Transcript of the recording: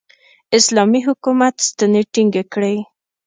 اسلامي حکومت ستنې ټینګې کړې.